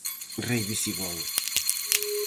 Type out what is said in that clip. Rei visigodo.